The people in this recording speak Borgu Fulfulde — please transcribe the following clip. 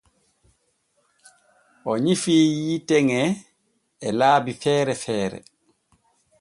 O nyifii yiite ŋe e laabi feere feere.